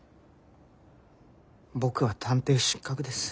僕は探偵失格です。